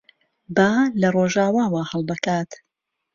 با لە ڕۆژاواوە هەڵدەکات.